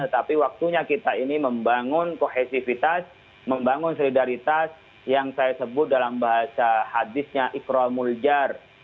tetapi waktunya kita ini membangun kohesivitas membangun solidaritas yang saya sebut dalam bahasa hadisnya ikral muljar